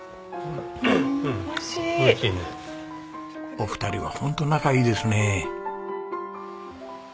お二人はホント仲いいですね。